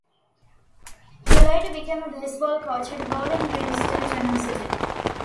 He later became a baseball coach at Bowling Green State University.